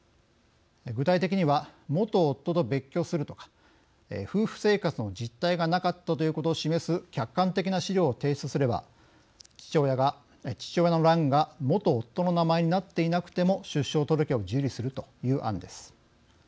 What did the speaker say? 具体的には元夫と別居するとか夫婦生活の実態がなかったということを示す客観的な資料を提出すれば父親の欄が元夫の名前になっていなくても出生届を受理するという案です。